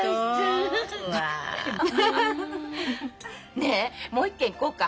ねえもう一軒行こうか。